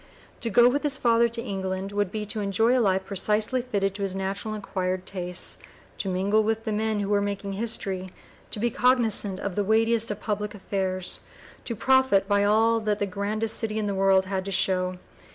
To go with his father to England would be to enjoy a life precisely fitted to his natural and acquired tastes, to mingle with the men who were making history, to be cognizant of the weightiest of public affairs, to profit by all that the grandest city in the world had to show.